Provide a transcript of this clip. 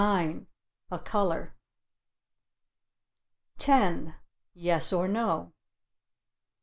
"A color." 10. "Yes or no."